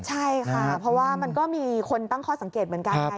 ใช่ค่ะเพราะว่ามันก็มีคนตั้งข้อสังเกตเหมือนกันไง